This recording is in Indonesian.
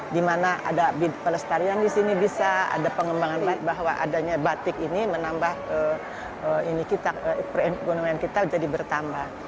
di mana ada pelestarian di sini bisa ada pengembangan bahwa adanya batik ini menambah perekonomian kita jadi bertambah